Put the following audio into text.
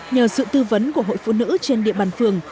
nhờ sự tư vấn của hội phụ nữ trên địa bàn phường